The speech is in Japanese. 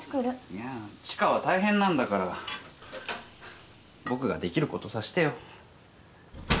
いや知花は大変なんだから僕ができることさしてよ。